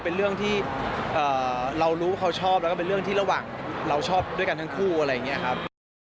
เป็นเรื่องที่เรารู้เขาชอบแล้วก็เป็นเรื่องที่ระหว่างเราชอบด้วยกันทั้งคู่อะไรอย่างนี้ครับ